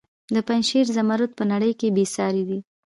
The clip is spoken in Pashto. د پنجشیر زمرد په نړۍ کې بې ساري دي